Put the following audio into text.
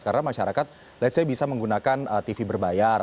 karena masyarakat let's say bisa menggunakan tv berbayar